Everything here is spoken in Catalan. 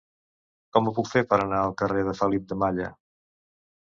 Com ho puc fer per anar al carrer de Felip de Malla?